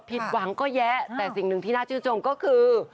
ผิดหวังก็แยะแต่สิ่งหนึ่งที่น่าชื่นชมก็คือ